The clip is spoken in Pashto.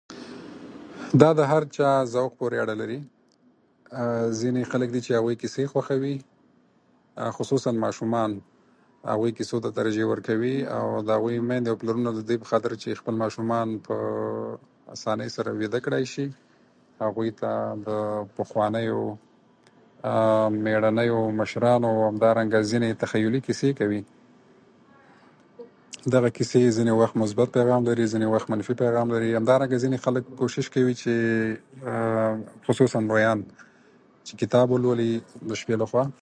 دا د هر چا په ذوق پورې اړه لري. ځینې خلک دي چې کیسې خوښوي، او خصوصا ماشومان، هغوی کیسو ته ترجیح ورکوي. او د هغوی میندې او پلرونه د دې په خاطر چې خپل ماشومان په اسانۍ سره ویده کړای شي، هغوی ته د پخوانیو مېړنیو مشرانو او همدارنګه ځینې تخیلي کیسې کوي. دغه کیسې ځینې وخت مثبت پیغام لري، ځینې وخت منفي پیغام لري. همدارنګه ځینې خلک کوشش کوي چې خصوصا لویان چې کتاب ولولي د شپې لخوا.